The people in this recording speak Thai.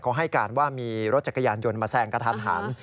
เขาให้การว่ามีรถจักรยานยนต์มาแซงกระทันหัน